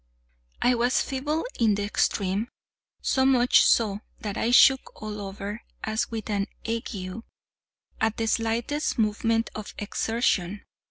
I was feeble in the extreme—so much so that I shook all over, as with an ague, at the slightest movement or exertion.